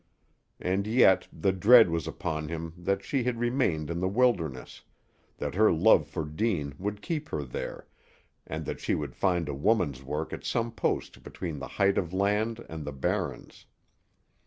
And yet the dread was upon him that she had remained in the wilderness, that her love for Deane would keep her there, and that she would find a woman's work at some post between the Height of Land and the Barrens.